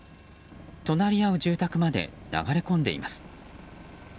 隣り合う住宅まで流れ込んでいます。